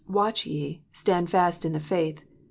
Watch ye : stand fast in the faith.